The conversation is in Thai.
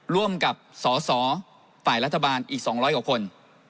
ร่วมกับสสฝ่ายรัฐบาลอีก๒๐๐กว่าคน